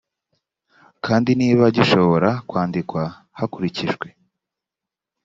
kandi niba gishobora kwandikwa hakurikijwe